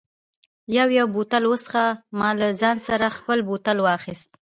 یو یو بوتل و څښه، ما له ځان سره خپل بوتل واخیست.